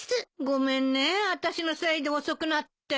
ごめんね私のせいで遅くなって。